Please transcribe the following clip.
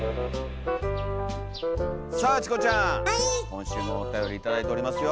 今週もおたより頂いておりますよ。